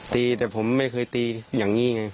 ตีแต่ผมไม่เคยตีอย่างนี้ไง